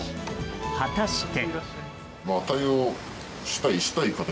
果たして。